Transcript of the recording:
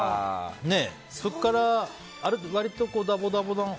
そこから割とダボダボの。